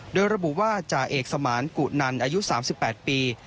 โดยระบุว่าจ่าเอกสมานกุนันอายุ๓๘ปี